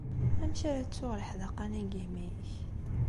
Amek ara ttuɣ leḥdaqa-nni deg yimi-k?